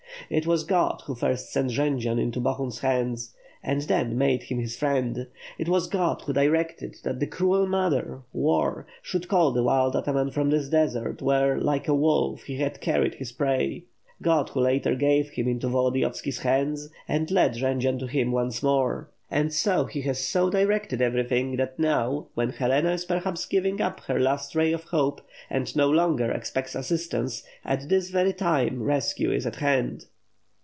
It was God who first sent Jendzian into Bohun's hands and then made him his friend. It was God who directed that the cruel mother, war, should call the wild ataman from this desert where, like a wolf, he had carried his prey. God, who later gave him into Volodiyovski's hands and led Jendzian to him once more. And so He has so directed everything that now, when Helena is perhaps giving up her last ray of hope and no longer expects assistance, at this very time rescue is at hand.